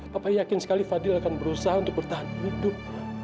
papa yakin sekali fadil akan berusaha untuk bertahan hidup